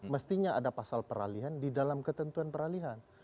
mestinya ada pasal peralihan di dalam ketentuan peralihan